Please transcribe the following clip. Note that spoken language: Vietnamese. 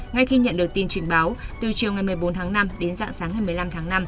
ngay khi nhận được tin trình báo từ chiều ngày một mươi bốn tháng năm đến dạng sáng ngày một mươi năm tháng năm